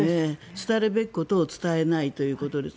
伝えるべきことを伝えないということです。